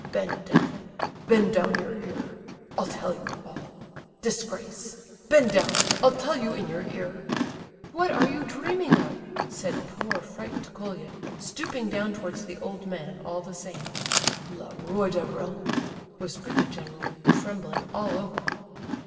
"Bend down—bend down your ear. I'll tell you all—disgrace—bend down, I'll tell you in your ear." "What are you dreaming of?" said poor, frightened Colia, stooping down towards the old man, all the same. "Le roi de Rome," whispered the general, trembling all over.